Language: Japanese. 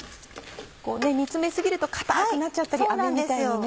煮詰め過ぎると硬くなっちゃったりあめみたいにね。